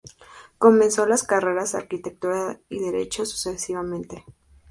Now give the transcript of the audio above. Comenzó las carreras de arquitectura y derecho, sucesivamente.